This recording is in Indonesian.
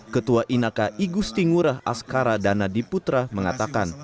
ketua inaka igusti ngurah askara danadiputra mengatakan